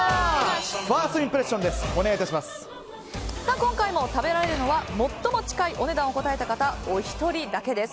今回も食べられるのは最も近いお値段を答えた方お一人だけです。